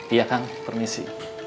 iya kang permisi